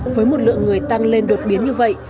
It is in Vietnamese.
với một lượng người tăng lên đột biến như vậy